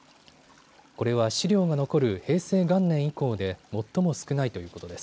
これは資料が残る平成元年以降で最も少ないということです。